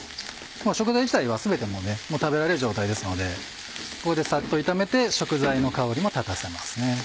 食材自体は全てもう食べられる状態ですのでここでサッと炒めて食材の香りも立たせます。